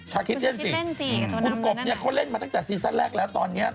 ชาคิตเล่นสิเค้าเล่นมาตั้งแต่ซีสั้นแรกแล้วตอนนี้